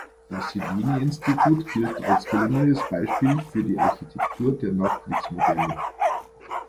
Das Hygieneinstitut gilt als gelungenes Beispiel für die Architektur der Nachkriegsmoderne.